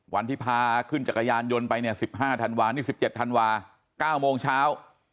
วันที่พากลุ่มจากกายานยนต์ไปนี่๑๗ธันวาคมเก้าโมงเช้า